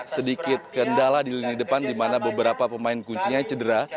sedikit kendala di lini depan di mana beberapa pemain kuncinya cedera